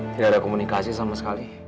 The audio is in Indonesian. tidak ada komunikasi sama sekali